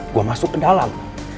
gue masuk ke dalam